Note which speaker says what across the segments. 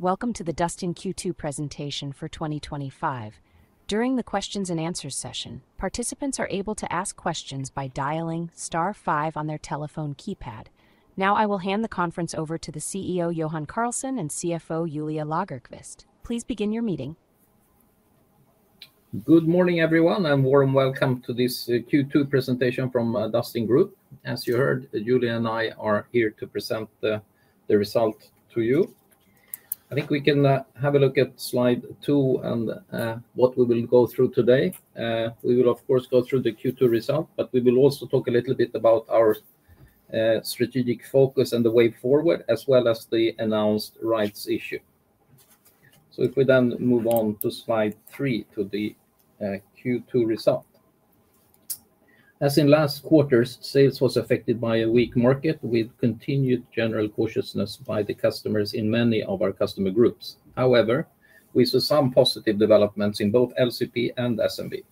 Speaker 1: Welcome to the Dustin Q2 presentation for 2025. During the Q&A session, participants are able to ask questions by dialing star five on their telephone keypad. Now, I will hand the conference over to the CEO Johan Karlsson and CFO Julia Lagerqvist. Please begin your meeting.
Speaker 2: Good morning, everyone. A warm welcome to this Q2 presentation from Dustin Group. As you heard, Julia and I are here to present the result to you. I think we can have a look at slide two and what we will go through today. We will, of course, go through the Q2 result, but we will also talk a little bit about our strategic focus and the way forward, as well as the announced rights issue. If we then move on to slide three, to the Q2 result. As in last quarters, sales was affected by a weak market with continued general cautiousness by the customers in many of our customer groups. However, we saw some positive developments in both LCP and SMB.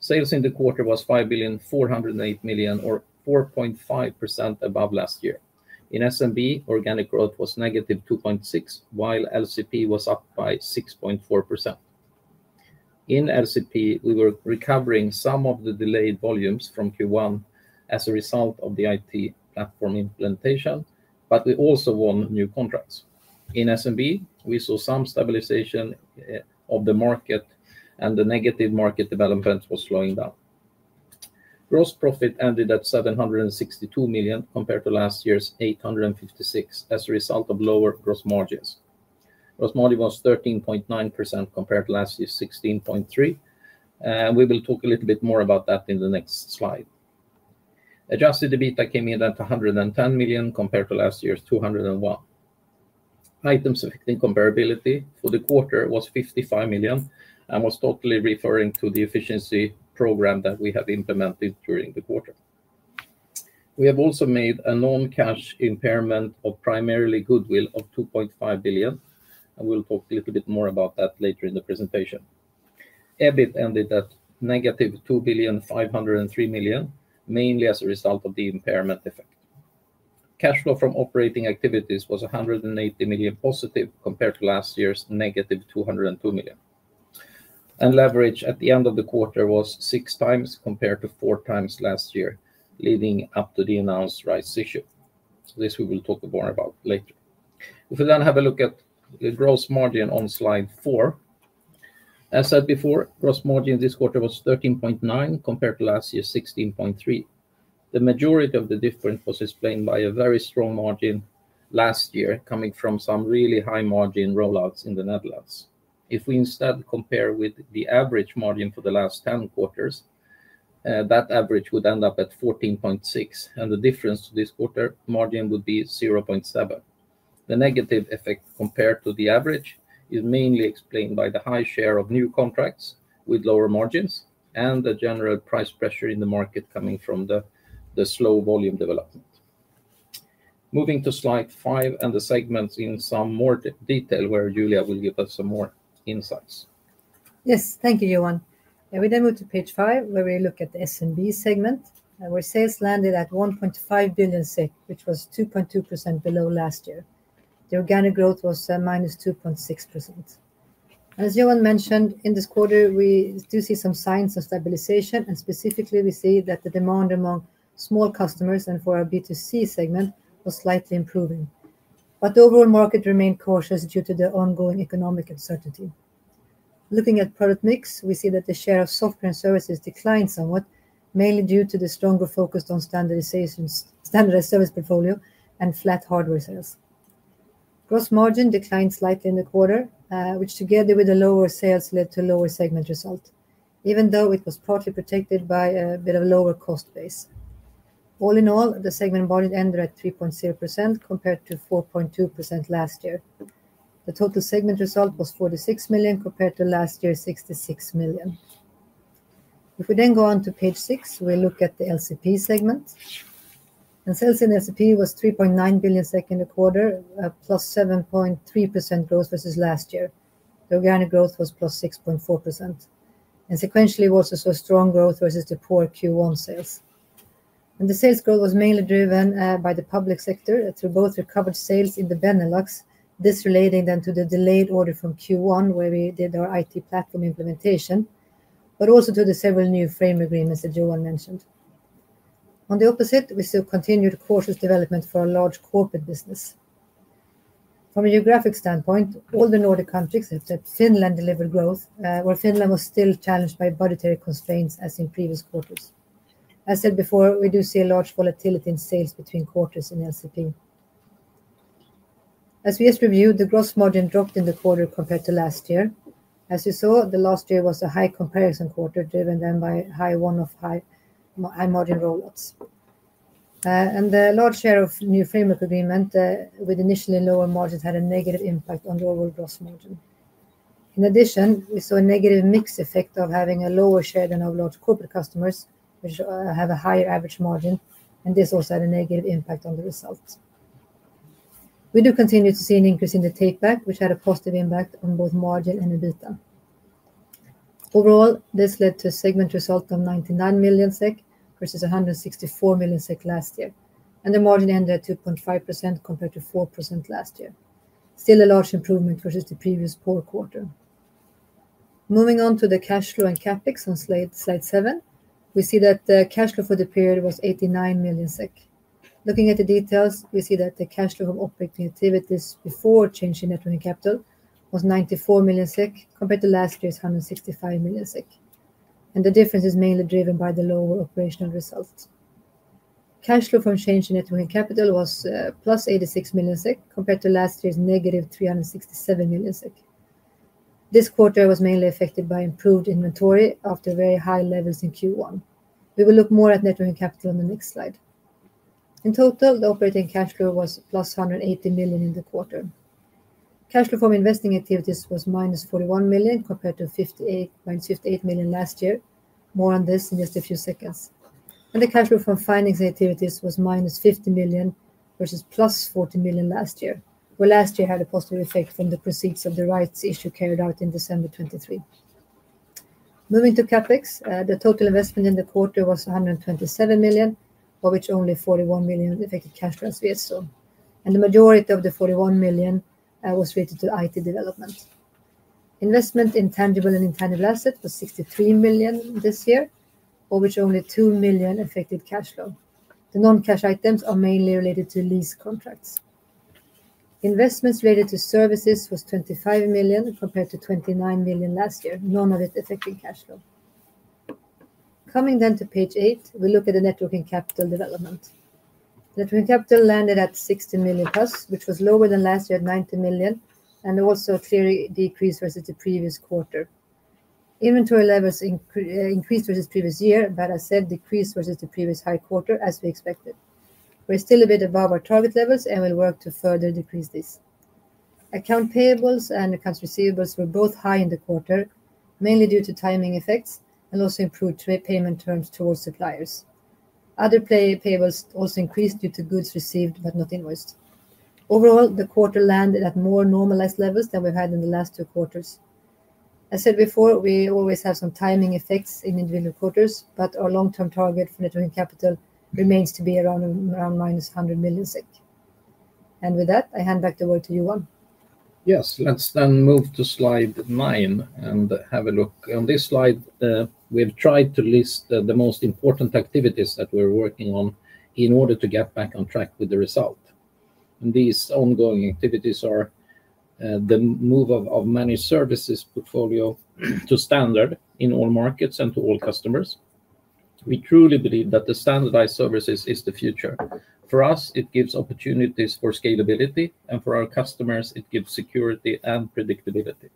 Speaker 2: Sales in the quarter was 5,408 million, or 4.5% above last year. In SMB, organic growth was -2.6%, while LCP was up by 6.4%. In LCP, we were recovering some of the delayed volumes from Q1 as a result of the IT platform implementation, but we also won new contracts. In SMB, we saw some stabilization of the market, and the negative market development was slowing down. Gross profit ended at 762 million compared to last year's 856 million as a result of lower gross margins. Gross margin was 13.9% compared to last year's 16.3%. We will talk a little bit more about that in the next slide. Adjusted EBITDA came in at 110 million compared to last year's 201 million. Items affecting comparability for the quarter was 55 million and was totally referring to the efficiency program that we have implemented during the quarter. We have also made a non-cash impairment of primarily goodwill of 2.5 billion, and we'll talk a little bit more about that later in the presentation. EBIT ended at -2,503 million, mainly as a result of the impairment effect. Cash flow from operating activities was 180 million positive compared to last year's -202 million. Leverage at the end of the quarter was 6x compared to 4x last year, leading up to the announced rights issue. This we will talk more about later. If we then have a look at the gross margin on slide four. As said before, gross margin this quarter was 13.9% compared to last year's 16.3%. The majority of the difference was explained by a very strong margin last year coming from some really high margin rollouts in the Netherlands. If we instead compare with the average margin for the last 10 quarters, that average would end up at 14.6%, and the difference to this quarter margin would be 0.7%. The negative effect compared to the average is mainly explained by the high share of new contracts with lower margins and the general price pressure in the market coming from the slow volume development. Moving to slide five and the segments in some more detail where Julia will give us some more insights.
Speaker 3: Yes, thank you, Johan. We then move to page five where we look at the SMB segment. Our sales landed at 1.5 billion, which was 2.2% below last year. The organic growth was -2.6%. As Johan mentioned, in this quarter, we do see some signs of stabilization, and specifically, we see that the demand among small customers and for our B2C segment was slightly improving. The overall market remained cautious due to the ongoing economic uncertainty. Looking at product mix, we see that the share of software and services declined somewhat, mainly due to the stronger focus on standardized service portfolio and flat hardware sales. Gross margin declined slightly in the quarter, which together with the lower sales led to lower segment result, even though it was partly protected by a bit of lower cost base. All in all, the segment margin ended at 3.0% compared to 4.2% last year. The total segment result was 46 million compared to last year's 66 million. If we then go on to page six, we look at the LCP segment. Sales in LCP was 3.9 billion second quarter, +7.3% growth versus last year. The organic growth was +6.4%. Sequentially, we also saw strong growth versus the poor Q1 sales. The sales growth was mainly driven by the public sector through both recovered sales in the Benelux, this relating then to the delayed order from Q1 where we did our IT platform implementation, but also to the several new frame agreements that Johan mentioned. On the opposite, we still continued cautious development for a large corporate business. From a geographic standpoint, all the Nordic countries except Finland delivered growth, where Finland was still challenged by budgetary constraints as in previous quarters. As said before, we do see a large volatility in sales between quarters in LCP. As we just reviewed, the gross margin dropped in the quarter compared to last year. Last year was a high comparison quarter driven then by high one-off high margin rollouts. The large share of new framework agreement with initially lower margins had a negative impact on the overall gross margin. In addition, we saw a negative mix effect of having a lower share than of large corporate customers, which have a higher average margin, and this also had a negative impact on the results. We do continue to see an increase in the take-back, which had a positive impact on both margin and EBITDA. Overall, this led to a segment result of 99 million SEK versus 164 million SEK last year, and the margin ended at 2.5% compared to 4% last year. Still a large improvement versus the previous poor quarter. Moving on to the cash flow and CapEx on slide seven, we see that the cash flow for the period was 89 million SEK. Looking at the details, we see that the cash flow of operating activities before change in net working capital was 94 million SEK compared to last year's 165 million SEK. The difference is mainly driven by the lower operational result. Cash flow from change in net working capital was +86 million SEK compared to last year's -367 million SEK. This quarter was mainly affected by improved inventory after very high levels in Q1. We will look more at net working capital on the next slide. In total, the operating cash flow was +180 million in the quarter. Cash flow from investing activities was -41 million compared to -58 million last year. More on this in just a few seconds. The cash flow from financing activities was -50 million versus +40 million last year, where last year had a positive effect from the proceeds of the rights issue carried out in December 2023. Moving to CapEx, the total investment in the quarter was 127 million, of which only 41 million affected cash flows we saw. The majority of the 41 million was related to IT development. Investment in tangible and intangible assets was 63 million this year, of which only 2 million affected cash flow. The non-cash items are mainly related to lease contracts. Investments related to services was 25 million compared to 29 million last year, none of it affecting cash flow. Coming then to page eight, we look at the net working capital development. Net working capital landed at 60 million plus, which was lower than last year at 90 million, and also a clear decrease versus the previous quarter. Inventory levels increased versus previous year, but as said, decreased versus the previous high quarter, as we expected. We're still a bit above our target levels and will work to further decrease this. Account payables and accounts receivables were both high in the quarter, mainly due to timing effects and also improved payment terms towards suppliers. Other payables also increased due to goods received but not invoiced. Overall, the quarter landed at more normalized levels than we've had in the last two quarters. As said before, we always have some timing effects in individual quarters, but our long-term target for net working capital remains to be around -100 million SEK. With that, I hand back the word to Johan.
Speaker 2: Yes, let's then move to slide nine and have a look. On this slide, we've tried to list the most important activities that we're working on in order to get back on track with the result. These ongoing activities are the move of managed services portfolio to standard in all markets and to all customers. We truly believe that the standardized services is the future. For us, it gives opportunities for scalability, and for our customers, it gives security and predictability.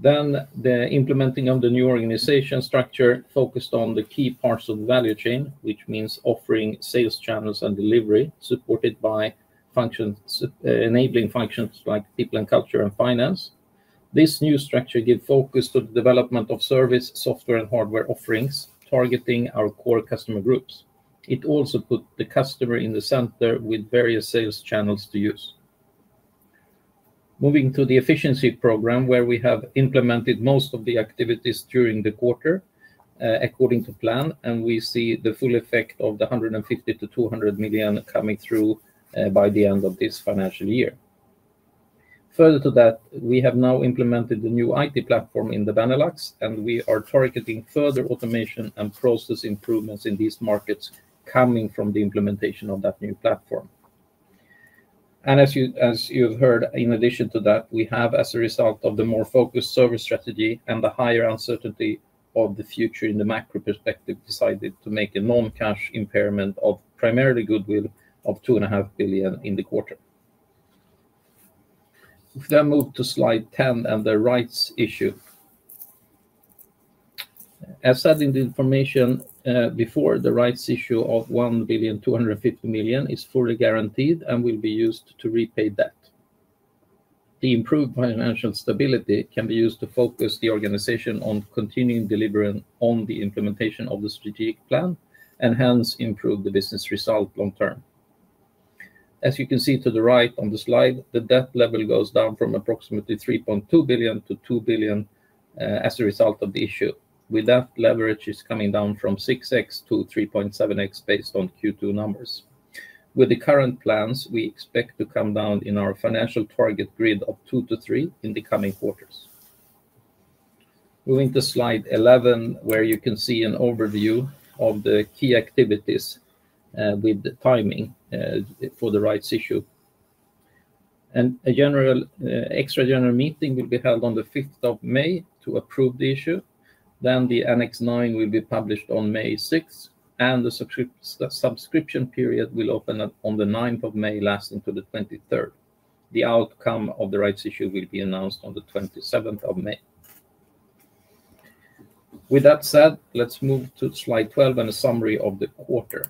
Speaker 2: The implementing of the new organization structure focused on the key parts of the value chain, which means offering sales channels and delivery supported by enabling functions like people and culture and finance. This new structure gives focus to the development of service, software, and hardware offerings targeting our core customer groups. It also puts the customer in the center with various sales channels to use. Moving to the efficiency program, where we have implemented most of the activities during the quarter according to plan, and we see the full effect of the 150 million-200 million coming through by the end of this financial year. Further to that, we have now implemented the new IT platform in the Benelux, and we are targeting further automation and process improvements in these markets coming from the implementation of that new platform. As you have heard, in addition to that, we have, as a result of the more focused service strategy and the higher uncertainty of the future in the macro perspective, decided to make a non-cash impairment of primarily goodwill of 2.5 billion in the quarter. If we then move to slide 10 and the rights issue. As said in the information before, the rights issue of 1,250 million is fully guaranteed and will be used to repay debt. The improved financial stability can be used to focus the organization on continuing delivering on the implementation of the strategic plan and hence improve the business result long term. As you can see to the right on the slide, the debt level goes down from approximately 3.2 billion to 2 billion as a result of the issue. With that, leverage is coming down from 6x to 3.7x based on Q2 numbers. With the current plans, we expect to come down in our financial target grid of 2x-3x in the coming quarters. Moving to slide 11, where you can see an overview of the key activities with the timing for the rights issue. A general extra-general meeting will be held on the 5th of May to approve the issue. The Annex 9 will be published on May 6, and the subscription period will open on the 9th of May lasting to the 23rd. The outcome of the rights issue will be announced on the 27th of May. With that said, let's move to slide 12 and a summary of the quarter.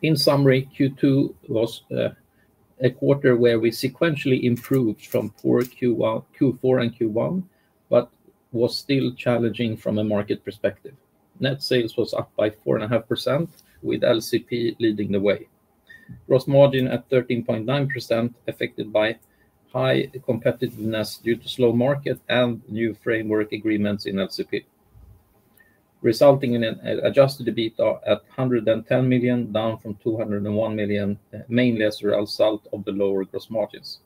Speaker 2: In summary, Q2 was a quarter where we sequentially improved from poor Q4 and Q1, but was still challenging from a market perspective. Net sales was up by 4.5% with LCP leading the way. Gross margin at 13.9% affected by high competitiveness due to slow market and new framework agreements in LCP, resulting in an adjusted EBITDA at 110 million, down from 201 million, mainly as a result of the lower gross margins.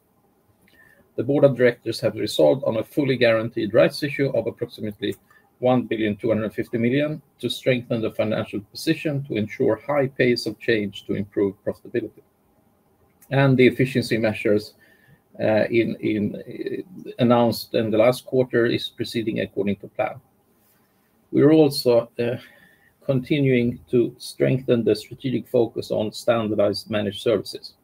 Speaker 2: The Board of Directors have resolved on a fully guaranteed rights issue of approximately 1,250 million to strengthen the financial position to ensure high pace of change to improve profitability. The efficiency measures announced in the last quarter are proceeding according to plan. We are also continuing to strengthen the strategic focus on standardized managed services.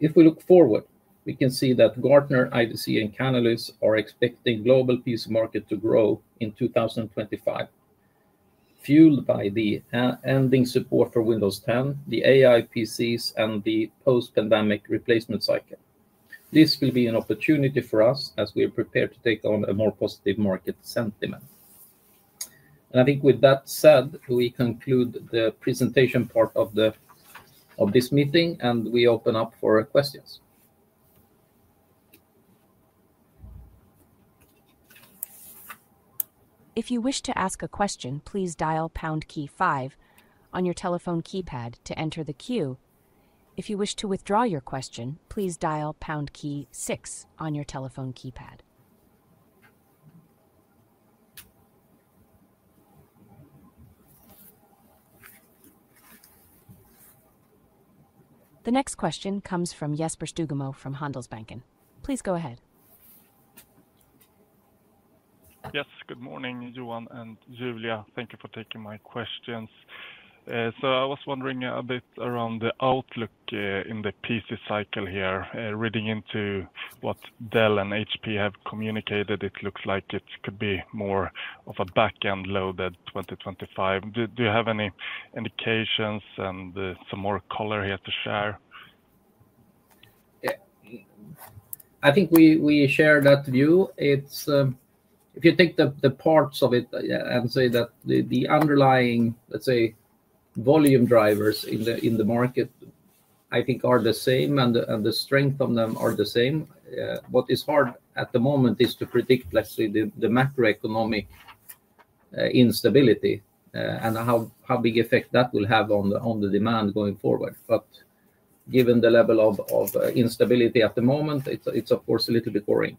Speaker 2: If we look forward, we can see that Gartner, IDC, and Canalys are expecting global PC market to grow in 2025, fueled by the ending support for Windows 10, the AI PCs, and the post-pandemic replacement cycle. This will be an opportunity for us as we are prepared to take on a more positive market sentiment. I think with that said, we conclude the presentation part of this meeting, and we open up for questions.
Speaker 1: If you wish to ask a question, please dial pound key five on your telephone keypad to enter the queue. If you wish to withdraw your question, please dial pound key six on your telephone keypad. The next question comes from Jesper Stugemo from Handelsbanken. Please go ahead.
Speaker 4: Yes, good morning, Johan and Julia. Thank you for taking my questions. I was wondering a bit around the outlook in the PC cycle here, reading into what Dell and HP have communicated. It looks like it could be more of a back-end loaded 2025. Do you have any indications and some more color here to share?
Speaker 2: I think we share that view. If you take the parts of it and say that the underlying, let's say, volume drivers in the market, I think are the same and the strength of them are the same. What is hard at the moment is to predict, let's say, the macroeconomic instability and how big effect that will have on the demand going forward. Given the level of instability at the moment, it's of course a little bit worrying.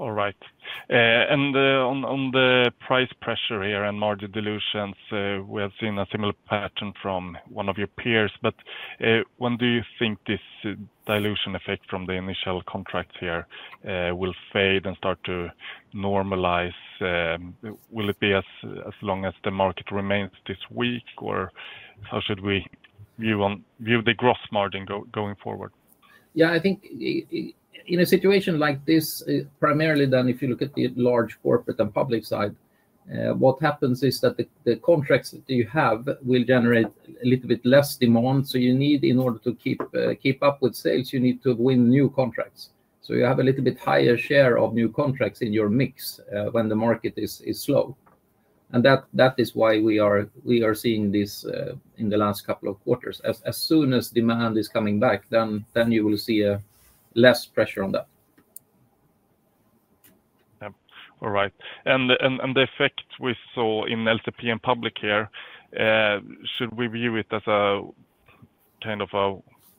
Speaker 4: All right. On the price pressure here and margin dilutions, we have seen a similar pattern from one of your peers. When do you think this dilution effect from the initial contracts here will fade and start to normalize? Will it be as long as the market remains this weak, or how should we view the gross margin going forward?
Speaker 2: Yeah, I think in a situation like this, primarily then if you look at the large corporate and public side, what happens is that the contracts that you have will generate a little bit less demand. You need, in order to keep up with sales, you need to win new contracts. You have a little bit higher share of new contracts in your mix when the market is slow. That is why we are seeing this in the last couple of quarters. As soon as demand is coming back, you will see less pressure on that.
Speaker 4: All right. The effect we saw in LCP and public here, should we view it as a kind of a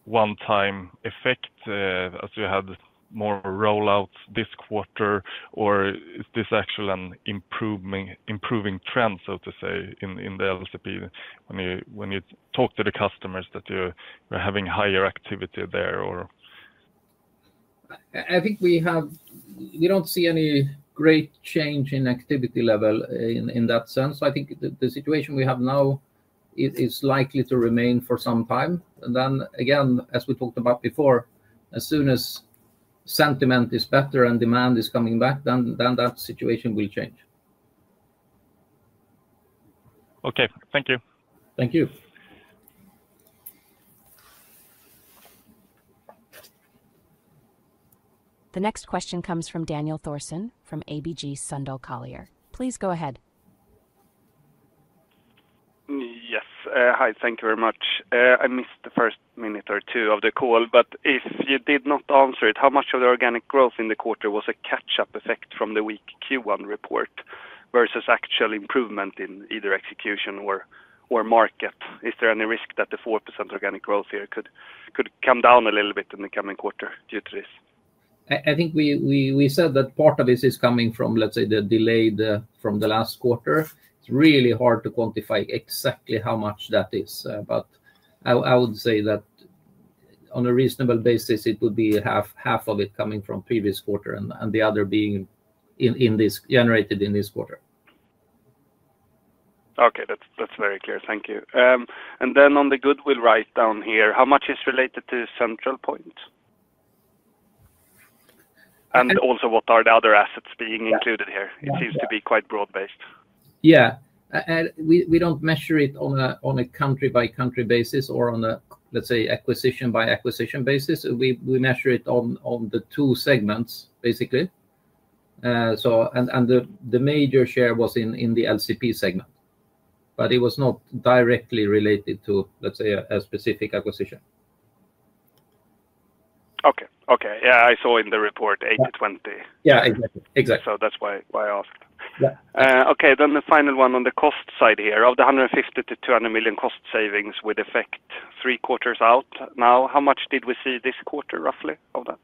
Speaker 4: one-time effect as you had more rollouts this quarter, or is this actually an improving trend, so to say, in the LCP when you talk to the customers that you're having higher activity there?
Speaker 2: I think we don't see any great change in activity level in that sense. I think the situation we have now is likely to remain for some time. As we talked about before, as soon as sentiment is better and demand is coming back, then that situation will change.
Speaker 4: Okay, thank you.
Speaker 2: Thank you.
Speaker 1: The next question comes from Daniel Thorsson from ABG Sundal Collier. Please go ahead.
Speaker 5: Yes, hi, thank you very much. I missed the first minute or two of the call, but if you did not answer it, how much of the organic growth in the quarter was a catch-up effect from the weak Q1 report versus actual improvement in either execution or market? Is there any risk that the 4% organic growth here could come down a little bit in the coming quarter due to this?
Speaker 2: I think we said that part of this is coming from, let's say, the delay from the last quarter. It's really hard to quantify exactly how much that is. I would say that on a reasonable basis, it would be half of it coming from previous quarter and the other being generated in this quarter.
Speaker 5: Okay, that's very clear. Thank you. On the goodwill write-down here, how much is related to central points? Also, what are the other assets being included here? It seems to be quite broad-based.
Speaker 2: Yeah, we do not measure it on a country-by-country basis or on a, let's say, acquisition-by-acquisition basis. We measure it on the two segments, basically. The major share was in the LCP segment, but it was not directly related to, let's say, a specific acquisition.
Speaker 5: Okay, okay. Yeah, I saw in the report 80/20.
Speaker 2: Yeah, exactly.
Speaker 5: That is why I asked. Okay, the final one on the cost side here. Of the 150 million-200 million cost savings with effect three quarters out now, how much did we see this quarter roughly of that?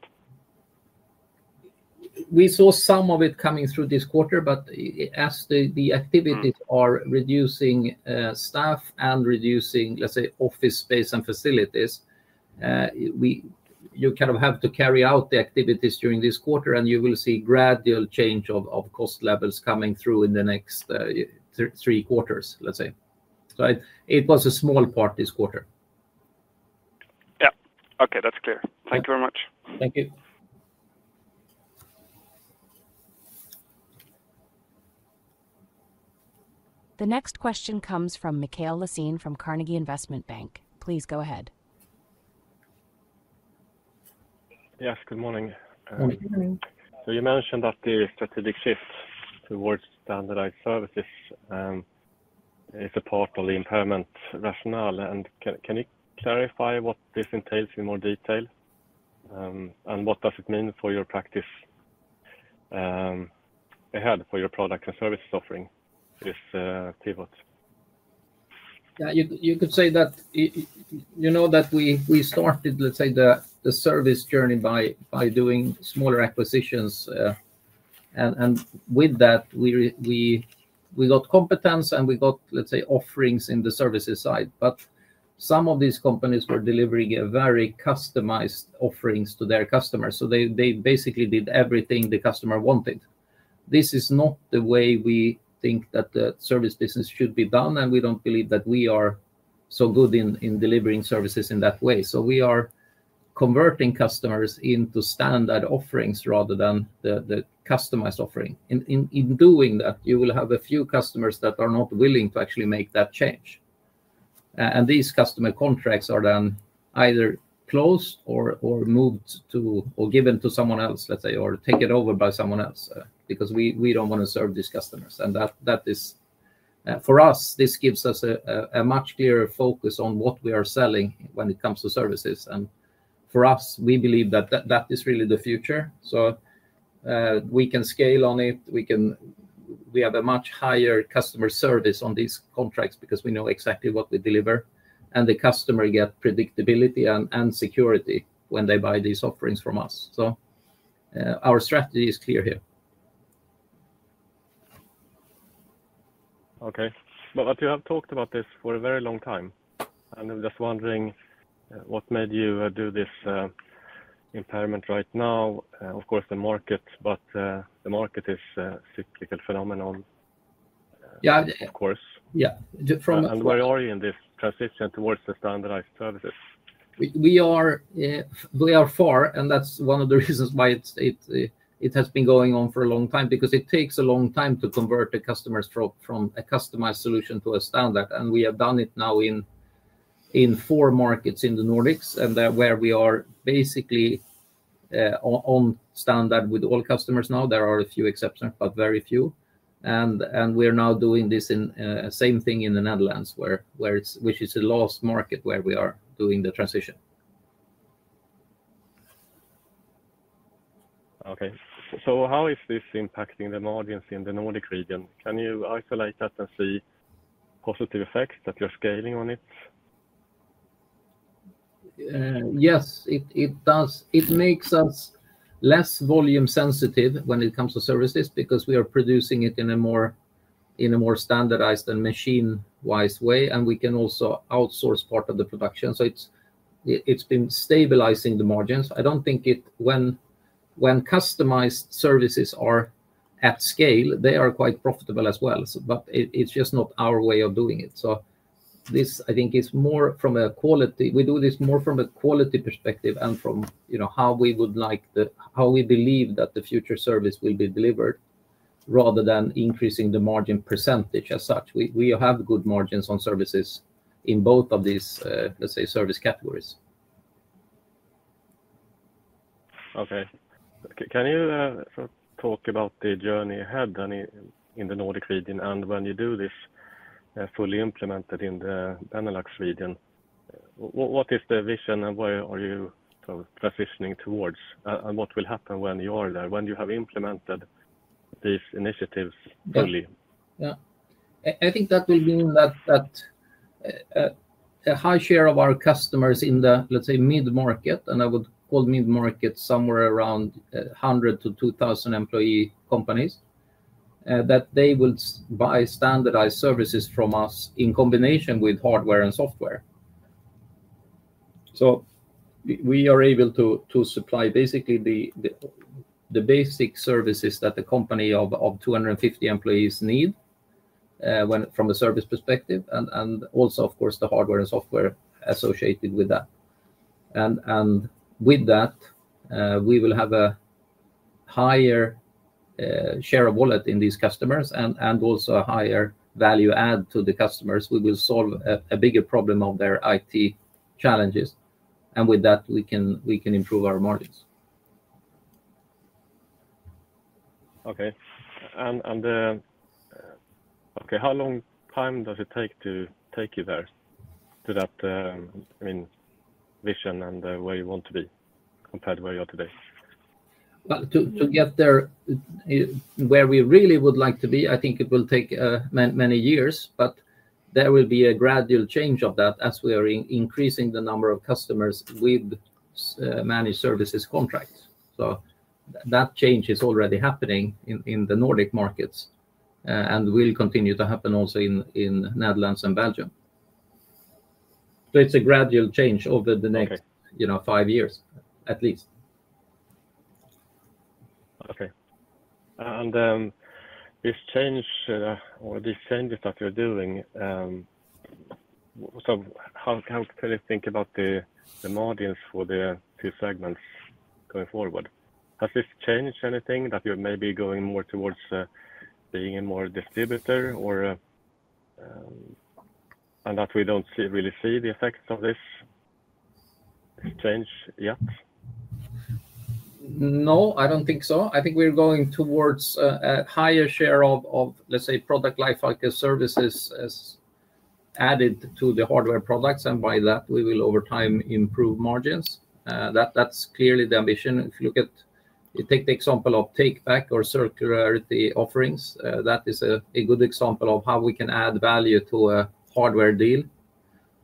Speaker 2: We saw some of it coming through this quarter, but as the activities are reducing staff and reducing, let's say, office space and facilities, you kind of have to carry out the activities during this quarter, and you will see gradual change of cost levels coming through in the next three quarters, let's say. It was a small part this quarter.
Speaker 5: Yeah, okay, that's clear. Thank you very much.
Speaker 2: Thank you.
Speaker 1: The next question comes from Mikael Laséen from Carnegie Investment Bank. Please go ahead.
Speaker 6: Yes, good morning. You mentioned that the strategic shift towards standardized services is a part of the impairment rationale. Can you clarify what this entails in more detail? What does it mean for your practice ahead for your product and services offering for this pivot?
Speaker 2: Yeah, you could say that you know that we started, let's say, the service journey by doing smaller acquisitions. And with that, we got competence and we got, let's say, offerings in the services side. But some of these companies were delivering very customized offerings to their customers. They basically did everything the customer wanted. This is not the way we think that the service business should be done, and we don't believe that we are so good in delivering services in that way. We are converting customers into standard offerings rather than the customized offering. In doing that, you will have a few customers that are not willing to actually make that change. These customer contracts are then either closed or moved to or given to someone else, let's say, or taken over by someone else because we don't want to serve these customers. For us, this gives us a much clearer focus on what we are selling when it comes to services. For us, we believe that that is really the future. We can scale on it. We have a much higher customer service on these contracts because we know exactly what we deliver. The customer gets predictability and security when they buy these offerings from us. Our strategy is clear here.
Speaker 6: Okay. You have talked about this for a very long time. I'm just wondering what made you do this impairment right now? Of course, the market, but the market is a cyclical phenomenon, of course.
Speaker 2: Yeah.
Speaker 6: Where are you in this transition towards the standardized services?
Speaker 2: We are far, and that's one of the reasons why it has been going on for a long time, because it takes a long time to convert the customers from a customized solution to a standard. We have done it now in four markets in the Nordics, and we are basically on standard with all customers now. There are a few exceptions, but very few. We are now doing this same thing in the Netherlands, which is the last market where we are doing the transition.
Speaker 6: Okay. How is this impacting the margins in the Nordic region? Can you isolate that and see positive effects that you're scaling on it?
Speaker 2: Yes, it makes us less volume sensitive when it comes to services because we are producing it in a more standardized and machine-wise way, and we can also outsource part of the production. It has been stabilizing the margins. I do not think when customized services are at scale, they are quite profitable as well. It is just not our way of doing it. This, I think, is more from a quality. We do this more from a quality perspective and from how we would like the, how we believe that the future service will be delivered rather than increasing the margin percentage as such. We have good margins on services in both of these, let's say, service categories.
Speaker 6: Okay. Can you talk about the journey ahead in the Nordic region and when you do this fully implemented in the Benelux region? What is the vision and where are you transitioning towards? What will happen when you are there, when you have implemented these initiatives fully?
Speaker 2: Yeah. I think that will mean that a high share of our customers in the, let's say, mid-market, and I would call mid-market somewhere around 100-2,000 employee companies, that they will buy standardized services from us in combination with hardware and software. We are able to supply basically the basic services that the company of 250 employees needs from a service perspective, and also, of course, the hardware and software associated with that. With that, we will have a higher share of wallet in these customers and also a higher value add to the customers. We will solve a bigger problem of their IT challenges. With that, we can improve our margins.
Speaker 6: Okay. How long time does it take to take you there to that vision and where you want to be compared to where you are today?
Speaker 2: To get there where we really would like to be, I think it will take many years, but there will be a gradual change of that as we are increasing the number of customers with managed services contracts. That change is already happening in the Nordic markets and will continue to happen also in the Netherlands and Belgium. It is a gradual change over the next five years, at least.
Speaker 6: Okay. This change or these changes that you're doing, how can you think about the margins for the two segments going forward? Has this changed anything that you're maybe going more towards being a more distributor and that we don't really see the effects of this change yet?
Speaker 2: No, I don't think so. I think we're going towards a higher share of, let's say, product life cycle services as added to the hardware products. By that, we will over time improve margins. That's clearly the ambition. If you look at, take the example of take-back or circularity offerings, that is a good example of how we can add value to a hardware deal.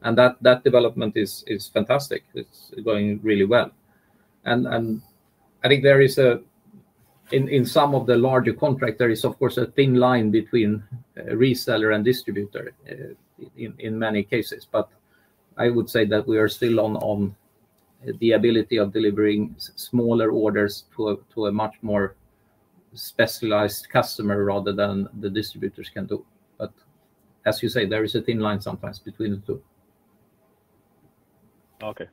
Speaker 2: That development is fantastic. It's going really well. I think there is, in some of the larger contractors, of course, a thin line between reseller and distributor in many cases. I would say that we are still on the ability of delivering smaller orders to a much more specialized customer rather than the distributors can do. As you say, there is a thin line sometimes between the two.
Speaker 6: Okay.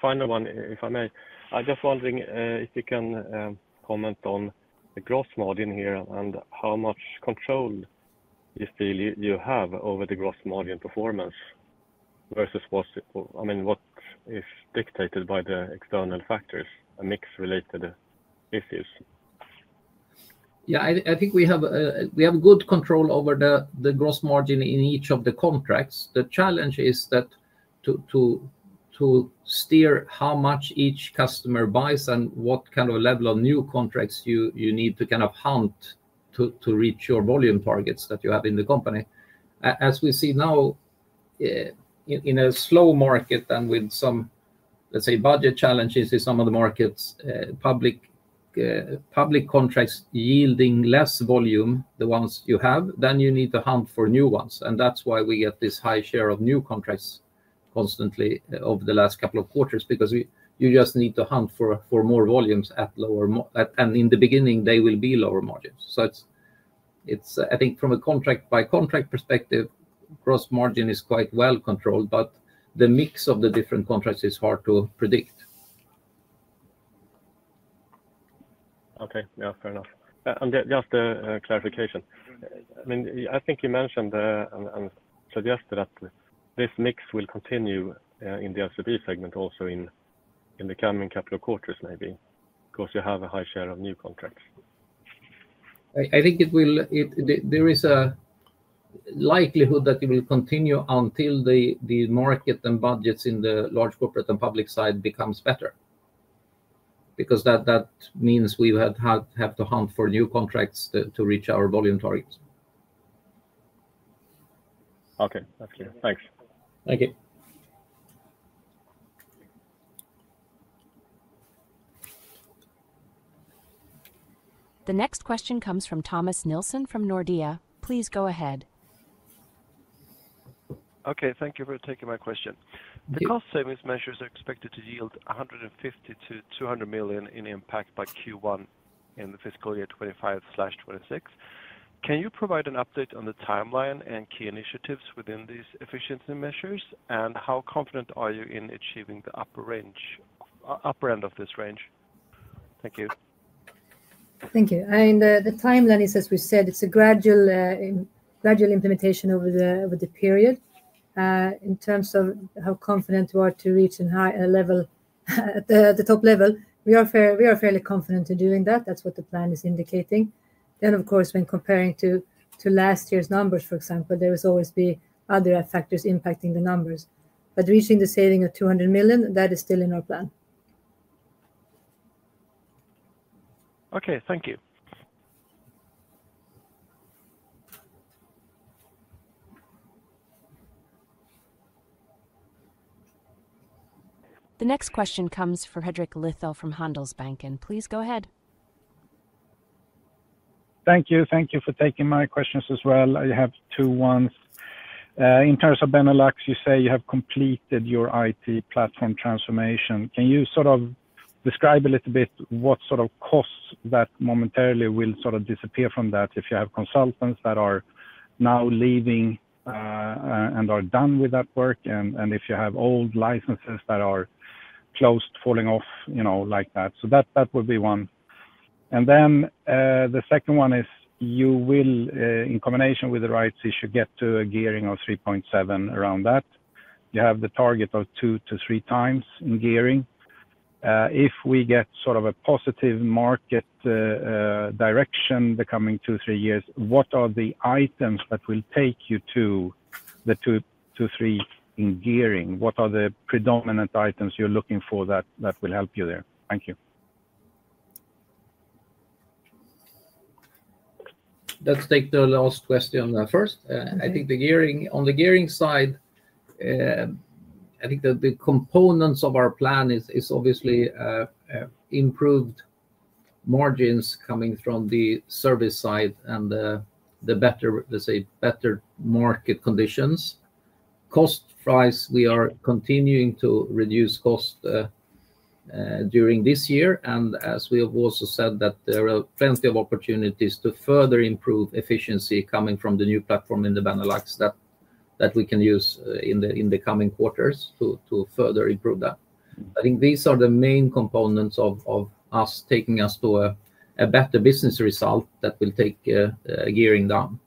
Speaker 6: Final one, if I may. I'm just wondering if you can comment on the gross margin here and how much control you feel you have over the gross margin performance versus what is dictated by the external factors, mix-related issues.
Speaker 2: Yeah, I think we have good control over the gross margin in each of the contracts. The challenge is that to steer how much each customer buys and what kind of level of new contracts you need to kind of hunt to reach your volume targets that you have in the company. As we see now in a slow market and with some, let's say, budget challenges in some of the markets, public contracts yielding less volume, the ones you have, you need to hunt for new ones. That is why we get this high share of new contracts constantly over the last couple of quarters because you just need to hunt for more volumes at lower margins. In the beginning, they will be lower margins. I think from a contract-by-contract perspective, gross margin is quite well controlled, but the mix of the different contracts is hard to predict.
Speaker 6: Okay. Yeah, fair enough. Just a clarification. I think you mentioned and suggested that this mix will continue in the LCP segment also in the coming couple of quarters maybe because you have a high share of new contracts.
Speaker 2: I think there is a likelihood that it will continue until the market and budgets in the large corporate and public side become better because that means we have to hunt for new contracts to reach our volume targets.
Speaker 6: Okay. That's clear. Thanks.
Speaker 2: Thank you.
Speaker 1: The next question comes from Thomas Nielsen from Nordea. Please go ahead.
Speaker 7: Okay. Thank you for taking my question. The cost savings measures are expected to yield 150 million-200 million in impact by Q1 in the fiscal year 2025/2026. Can you provide an update on the timeline and key initiatives within these efficiency measures, and how confident are you in achieving the upper end of this range? Thank you.
Speaker 3: Thank you. The timeline is, as we said, it's a gradual implementation over the period. In terms of how confident you are to reach a level at the top level, we are fairly confident in doing that. That's what the plan is indicating. Of course, when comparing to last year's numbers, for example, there will always be other factors impacting the numbers. Reaching the saving of 200 million is still in our plan.
Speaker 7: Okay. Thank you.
Speaker 1: The next question comes for Fredrik Lithell from Handelsbanken. Please go ahead.
Speaker 8: Thank you. Thank you for taking my questions as well. I have two ones. In terms of Benelux, you say you have completed your IT platform transformation. Can you sort of describe a little bit what sort of costs that momentarily will sort of disappear from that if you have consultants that are now leaving and are done with that work, and if you have old licenses that are closed, falling off like that? That would be one. The second one is you will, in combination with the rights issue, get to a gearing of 3.7x around that. You have the target of 2x-3x in gearing. If we get sort of a positive market direction the coming two or three years, what are the items that will take you to the 2x-3x in gearing? What are the predominant items you're looking for that will help you there? Thank you.
Speaker 2: Let's take the last question first. I think on the gearing side, I think that the components of our plan is obviously improved margins coming from the service side and the better market conditions. Cost price, we are continuing to reduce cost during this year. As we have also said, there are plenty of opportunities to further improve efficiency coming from the new platform in the Benelux that we can use in the coming quarters to further improve that. I think these are the main components of us taking us to a better business result that will take gearing down.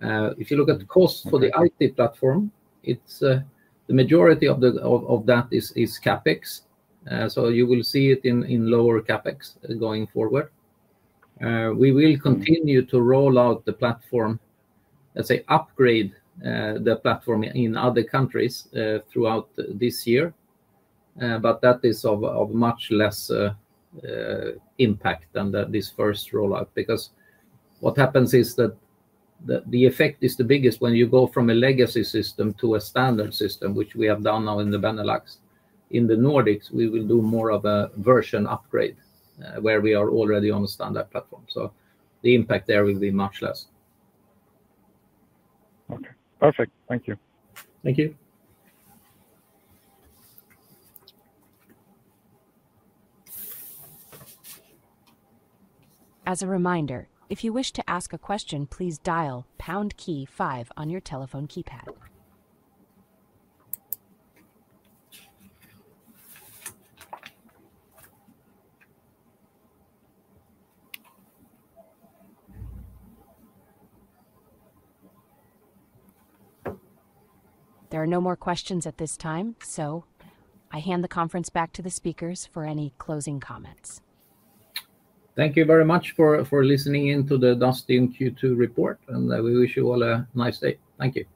Speaker 2: If you look at the cost for the IT platform, the majority of that is CapEx. You will see it in lower CapEx going forward. We will continue to roll out the platform, let's say upgrade the platform in other countries throughout this year, but that is of much less impact than this first rollout because what happens is that the effect is the biggest when you go from a legacy system to a standard system, which we have done now in the Benelux. In the Nordics, we will do more of a version upgrade where we are already on a standard platform. The impact there will be much less.
Speaker 8: Okay. Perfect. Thank you.
Speaker 2: Thank you.
Speaker 1: As a reminder, if you wish to ask a question, please dial pound key five on your telephone keypad. There are no more questions at this time, so I hand the conference back to the speakers for any closing comments.
Speaker 2: Thank you very much for listening in to the Dustin Q2 report, and we wish you all a nice day. Thank you.